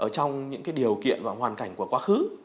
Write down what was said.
trong những điều kiện và hoàn cảnh của quá khứ